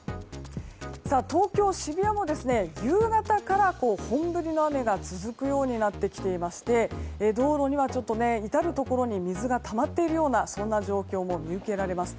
東京・渋谷も夕方から本降りの雨が続くようになってきていまして道路には至るところに水がたまっているような状況が見受けられます。